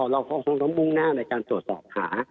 เราก็คงล้มวุ่งหน้าในการสอบหา